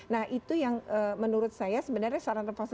nah itu yang menurut saya